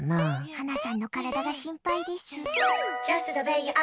ハナさんの体が心配です。